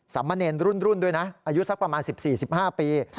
มะเนรรุ่นด้วยนะอายุสักประมาณ๑๔๑๕ปี